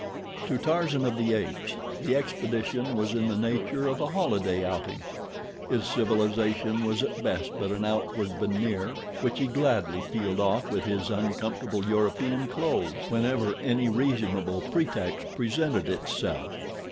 To Tarzan of the Apes the expedition was in the nature of a holiday outing. His civilization was at best but an outward veneer which he gladly peeled off with his uncomfortable European clothes whenever any reasonable pretext presented itself.